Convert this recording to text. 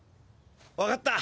分かった。